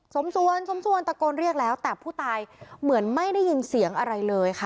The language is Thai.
สมส่วนสมส่วนตะโกนเรียกแล้วแต่ผู้ตายเหมือนไม่ได้ยินเสียงอะไรเลยค่ะ